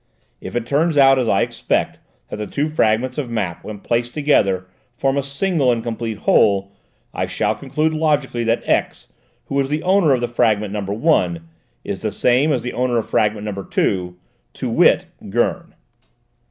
If it turns out, as I expect, that the two fragments of map, when placed together, form a single and complete whole, I shall conclude logically that X, who was the owner of fragment number 1, is the same as the owner of fragment number 2, to wit, Gurn."